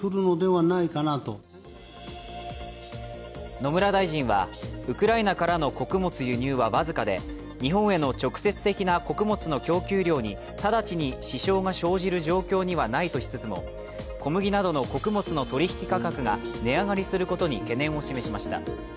野村大臣はウクライナからの穀物輸入は僅かで日本への直接的な穀物の供給量に直ちに支障が生じる状況にはないとしつつも小麦などの穀物の取引価格が値上がりすることに懸念を示しました。